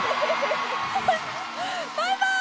バイバイ！